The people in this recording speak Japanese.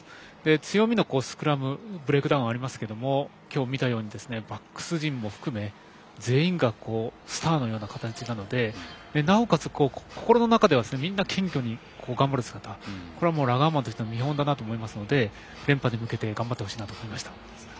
強みのスクラムブレイクダウンがありますが今日、見たようにバックス陣も含めて全員がスターのような形なのでなおかつ、心の中ではみんな謙虚に頑張る姿は、ラガーマンとしての見本だなと思うので連覇に向けて頑張ってほしいと思います。